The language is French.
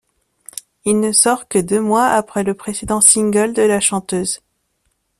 Il ne sort que deux mois après le précédent single de la chanteuse.